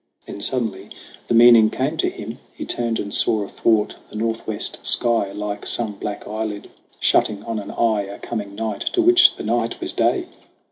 Then suddenly the meaning came to him. He turned and saw athwart the northwest sky, Like some black eyelid shutting on an eye, A coming night to which the night was day!